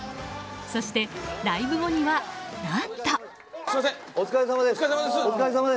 そしてライブ後には、何と。